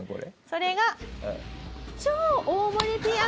それが。